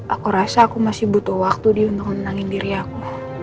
aku rasa aku masih butuh waktu untuk menangin diri aku